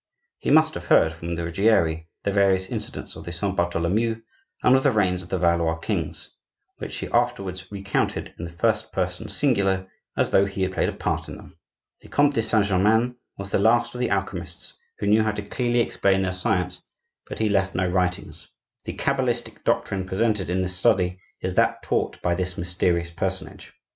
He must have heard from the Ruggieri the various incidents of the Saint Bartholomew and of the reigns of the Valois kings, which he afterwards recounted in the first person singular, as though he had played a part in them. The Comte de Saint Germain was the last of the alchemists who knew how to clearly explain their science; but he left no writings. The cabalistic doctrine presented in this Study is that taught by this mysterious personage.